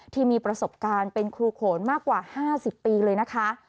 ที่มีประสบการณ์เป็นครูโขนมากกว่า๕๐ปีเลยนะคะ